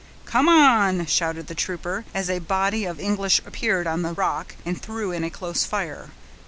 "Come on!" shouted the trooper, as a body of English appeared on the rock, and threw in a close fire.